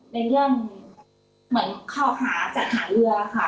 ในเรื่องเหมือนข้อหาจัดหาเรือค่ะ